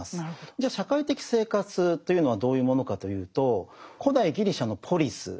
じゃ社会的生活というのはどういうものかというと古代ギリシャのポリスですね